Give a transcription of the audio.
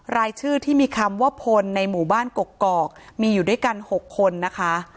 รายชื่อที่มีคำว่าพลในหมู่บ้านกกอกมีอยู่ด้วยกัน๖คนนะคะ